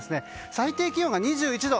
最低気温が２１度。